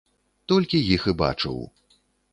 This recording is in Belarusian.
Толькі іх і бачыў.